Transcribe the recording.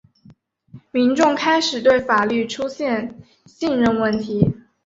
民众开始对法律出现信任问题。